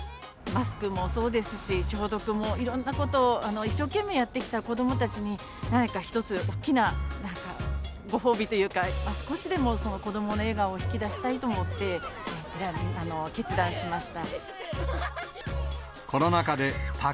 マスクもそうですし、消毒も、いろんなことを一生懸命やってきた子どもたちに、何か一つ、大きな、何かご褒美というか、少しでも子どもの笑顔を引き出したいと思って、決断しました。